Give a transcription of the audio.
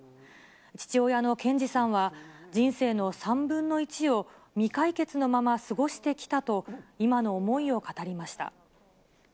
父親の賢二さんは、人生の３分の１を未解決のまま過ごしてきたと、今の思いを語りま